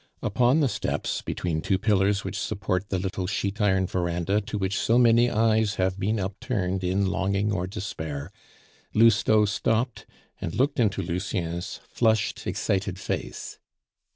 Upon the steps, between two pillars which support the little sheet iron veranda to which so many eyes have been upturned in longing or despair, Lousteau stopped and looked into Lucien's flushed, excited face.